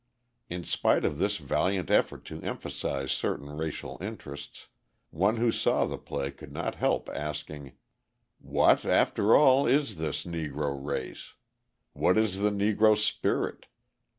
In spite of this valiant effort to emphasise certain racial interests, one who saw the play could not help asking: "What, after all, is this Negro race? What is the Negro spirit?